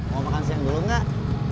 mau makan siang belum kak